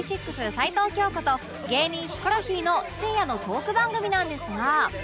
齊藤京子と芸人ヒコロヒーの深夜のトーク番組なんですが